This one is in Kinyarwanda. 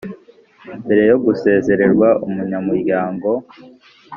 Mbere yo gusezererwa Umunyamuryango